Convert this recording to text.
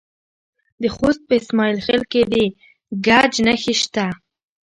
د خوست په اسماعیل خیل کې د ګچ نښې شته.